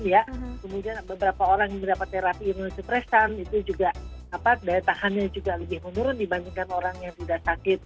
kemudian beberapa orang yang mendapat terapi imunosupresan itu juga daya tahannya juga lebih menurun dibandingkan orang yang tidak sakit